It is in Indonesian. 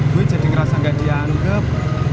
gue jadi ngerasa ga dianggep